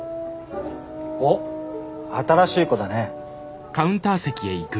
おっ新しい子だね。